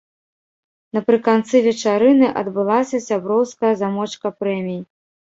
Напрыканцы вечарыны адбылася сяброўская замочка прэмій.